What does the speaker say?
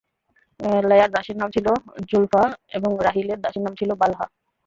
Liar দাসীর নাম ছিল যুলফা এবং রাহীলের দাসীর নাম ছিল বালহা।